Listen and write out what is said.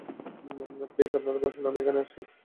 Please আপনারা বসেন আমি এখনই আসছি।